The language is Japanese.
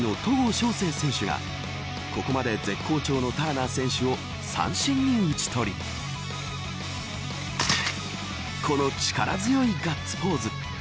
翔征選手がここまで絶好調のターナー選手を三振に打ち取りこの力強いガッツポーズ。